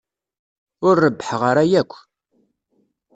Ur rebbḥeɣ ara yakk.